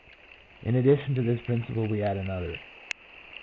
In addition to this principle we add another.